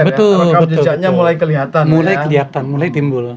rekam jejaknya mulai kelihatan mulai kelihatan mulai timbul